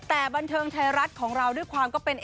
แต่บันเทิงไทยรัฐของเราด้วยความก็เป็น